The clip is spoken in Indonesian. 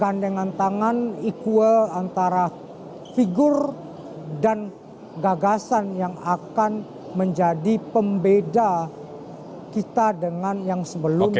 gandengan tangan equal antara figur dan gagasan yang akan menjadi pembeda kita dengan yang sebelumnya